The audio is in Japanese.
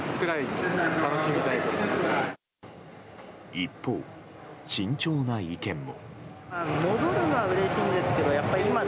一方、慎重な意見も。